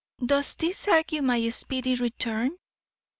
Does this argue my speedy return?